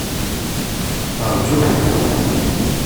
Rǧut!